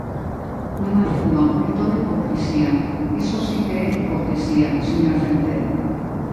Non actúan, é todo hipocrisía, ¡iso si que é hipocrisía, señor Centeo!